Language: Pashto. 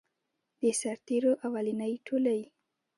د سرتیرو اولنی ټولۍ.